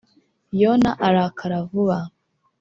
yona arakara vuba.